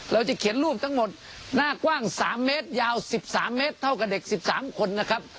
เราจะเขียนรูปทั้งหมดหน้ากว้าง๓เมตรยาว๑๓เมตรเท่ากับเด็ก๑๓คนนะครับ